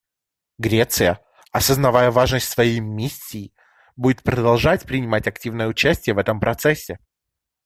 Греция, осознавая важность своей миссии, будет продолжать принимать активное участие в этом процессе.